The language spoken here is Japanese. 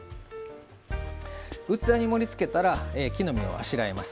器に盛りつけたら木の芽をあしらえます。